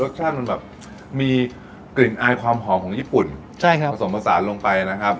ช่างมันแบบมีกลิ่นอายความหอมของญี่ปุ่นใช่ครับผสมผสานลงไปนะครับ